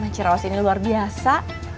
ciraus ini luar biasa